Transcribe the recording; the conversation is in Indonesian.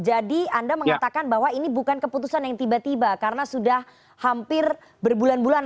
jadi anda mengatakan bahwa ini bukan keputusan yang tiba tiba karena sudah hampir berbulan bulan